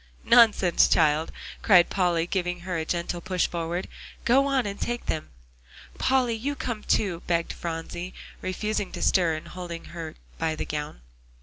"Nonsense, child!" cried Polly, giving her a gentle push forward. "Go on, and take them." "Polly, you come too," begged Phronsie, refusing to stir, and holding her by the gown.